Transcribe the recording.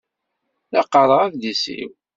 La qqaṛeɣ adlis-iw.